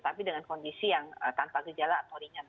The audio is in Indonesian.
tapi dengan kondisi yang tanpa gejala atau ringan